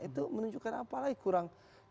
itu menunjukkan apa lagi